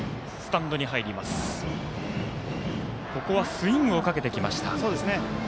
スイングをかけてきました。